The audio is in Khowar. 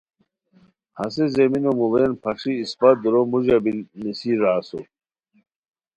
ہسے زمینو موڑین پھاݰی اسپہ دورو موڑا یی نیسر را اسور